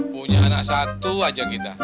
punya anak satu aja kita